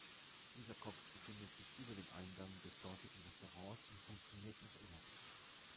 Dieser Kopf befindet sich über dem Eingang des dortigen Restaurants und funktioniert noch immer.